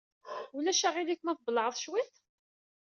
Ulac aɣilif ma tbellɛeḍ cwiṭ?